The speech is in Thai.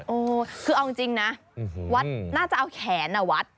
เออคือเอาจริงนะวัดน่าจะเอาแขนวัด